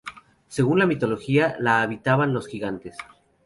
Según la mitología la habitaban los Gigantes.